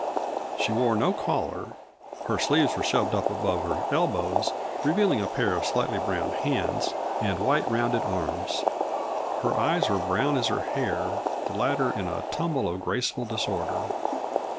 She wore no collar; her sleeves were shoved up above the elbows, revealing a pair of slightly browned hands and white, rounded arms. Her eyes were brown as her hair the latter in a tumble of graceful disorder.